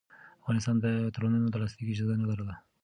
افغانستان د تړونونو د لاسلیک اجازه نه لرله.